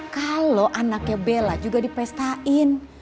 kalau anaknya bella juga dipestain